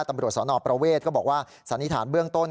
ตำรวจส่วนอพระเวทย์บอกว่าสถานีฐานเบื้องต้น